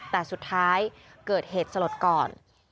แต่สุดท้ายเกิดเหตุสลดก่อน